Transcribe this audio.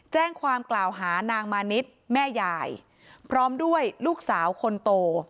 แจ้งความกล่าวหานางมานิดแม่ยายพร้อมด้วยลูกสาวคนโต